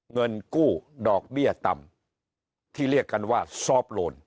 เงินกู้ดอกเบี้ยต่ำที่เรียกกันว่าซอฟต์โลน